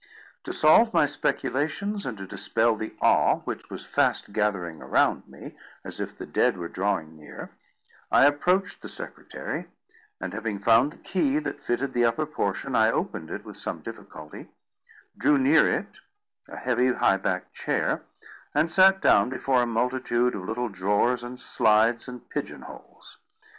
To solve my speculations, and to dispel the awe which was fast gathering around me as if the dead were drawing near, I approached the secretary; and having found the key that fitted the upper portion, I opened it with some difficulty, drew near it a heavy high backed chair, and sat down before a multitude of little drawers and slides and pigeon holes.